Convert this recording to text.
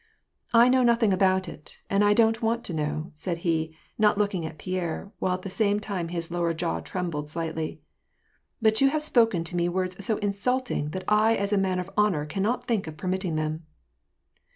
"I know nothing about it, and I don't want to know," said he, not look ing at Pierre, while at the same time his lower jaw ti'embled slightly. *'But you have spoken to me words so insulting that I as a man of honor cannot think of permitting them."